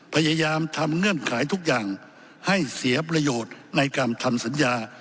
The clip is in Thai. พยายามทำเงื่อนไขทุกอย่างให้เสียประโยชน์ในการทำสัญญา